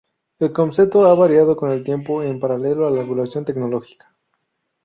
El concepto ha variado con el tiempo en paralelo a la evolución tecnológica.